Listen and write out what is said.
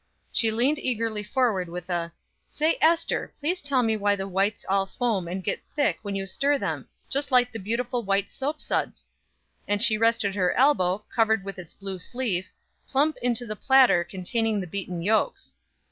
She leaned eagerly forward with a "Say, Ester, please tell me why the whites all foam and get thick when you stir them, just like beautiful white soapsuds." And she rested her elbow, covered with its blue sleeve, plump into the platter containing the beaten yolks.